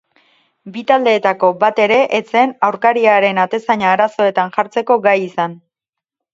Bi taldeetako bat ere ez zen aurkariaren atezaina arazoetan jartzeko gai izan.